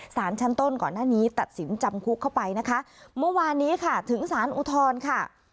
สารชั้นต้นก่อนหน้านี้ตัดสินจำคุกเข้าไปนะคะเมื่อวานนี้ค่ะถึงสารอุทธรณ์ค่ะ